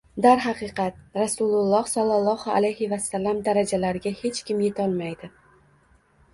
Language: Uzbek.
Darhaqiqat Rasululloh sallollohu alayhi vasallam darajalariga hech kim yetolmaydi